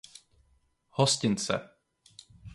Hostince.